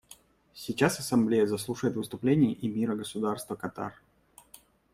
Сейчас Ассамблея заслушает выступление эмира Государства Катар.